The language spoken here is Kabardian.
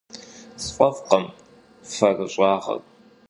Sf'ef'khım ferış'ağer.